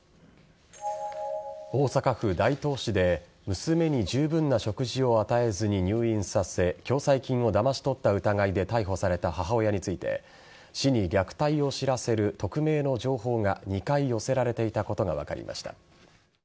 大阪府大東市で娘に十分な食事を与えずに入院させ共済金をだまし取った疑いで逮捕された母親について市に虐待を知らせる匿名の情報が２回寄せられていたことが分かりました。